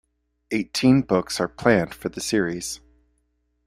Eighteen books are planned for the series.